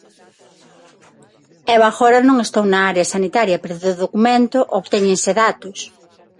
Eu agora non estou na área sanitaria, pero do documento obtéñense datos.